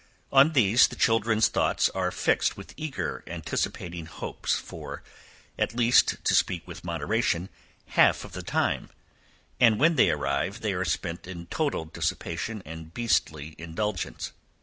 On these the children's thoughts are fixed with eager anticipating hopes, for, at least, to speak with moderation, half of the time, and when they arrive they are spent in total dissipation and beastly indulgence.